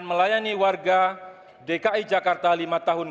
memimpin maka menghadirkan